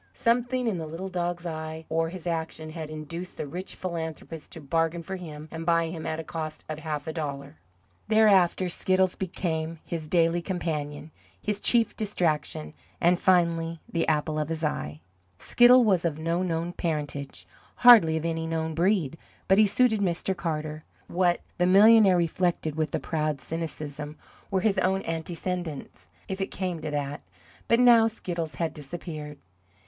Something in the little dog's eye, or his action, had induced the rich philanthropist to bargain for him and buy him at a cost of half a dollar. Thereafter Skiddles became his daily companion, his chief distraction, and finally the apple of his eye. Skiddles was of no known parentage, hardly of any known breed, but he suited Mr. Carter. What, the millionaire reflected with a proud cynicism, were his own antecedents, if it came to that? But now Skiddles had disappeared.